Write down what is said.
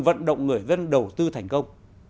vận động người dân đầu tư thành công